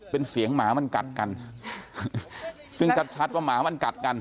เป็นเสียงหมามันกัดกันซึ่งชัดชัดว่าหมามันกัดกัน